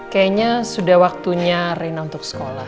kayaknya sudah waktunya rina untuk sekolah